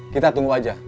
kita tunggu aja